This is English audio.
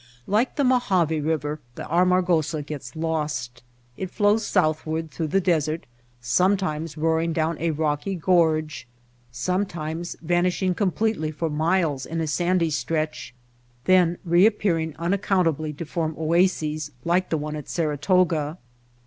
Like the Mojave River the Armagosa gets lost. It flows southward through the desert, sometimes roaring down a rocky gorge, sometimes vanishing completely for The White Heart miles in a sandy stretch, then reappearing un accountably to form oases like the one at Sara toga.